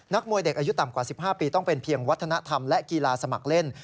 มวยเด็กอายุต่ำกว่า๑๕ปีต้องเป็นเพียงวัฒนธรรมและกีฬาสมัครเล่น